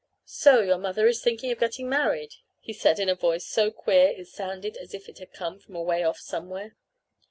"So your mother is thinking of getting married," he said in a voice so queer it sounded as if it had come from away off somewhere.